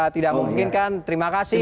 tidak mungkin kan terima kasih